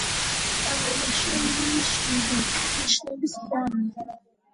კედელზე შეინიშნება ნიშების კვალი.